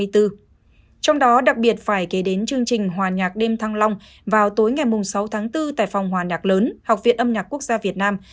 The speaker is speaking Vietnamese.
trong đó đặc biệt phải kể đến chương trình hòa nhạc đêm thăng long vào tối ngày sáu tháng bốn tại phòng hòa nhạc lớn học viện âm nhạc quốc gia việt nam